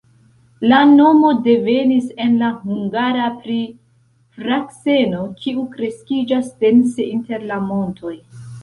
La nomo devenis en la hungara pri frakseno, kiu kreskiĝas dense inter la montoj.